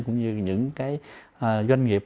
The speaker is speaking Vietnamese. cũng như những cái doanh nghiệp